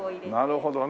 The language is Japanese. なるほどね。